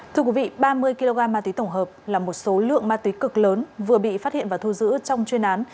thưa quý vị ba mươi kg ma túy tổng hợp là một số lượng ma túy cực lớn vừa bị phát hiện và thu giữ trong chuyên án